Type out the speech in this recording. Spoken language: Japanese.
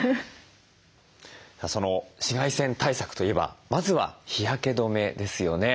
その紫外線対策といえばまずは日焼け止めですよね。